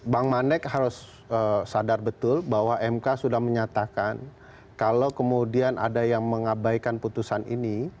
bang manek harus sadar betul bahwa mk sudah menyatakan kalau kemudian ada yang mengabaikan putusan ini